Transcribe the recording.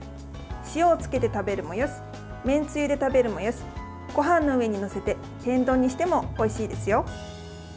塩をつけて食べるもよしめんつゆで食べるもよしごはんの上に載せて天丼にしてもおいしいですよ。